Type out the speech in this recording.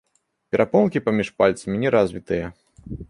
Перапонкі паміж пальцамі не развітыя.